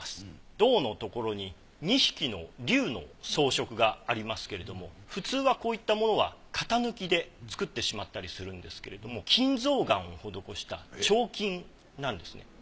胴のところに２匹の龍の装飾がありますけれども普通はこういったものは型抜きで作ってしまったりするんですけれども金象嵌を施した彫金なんですね。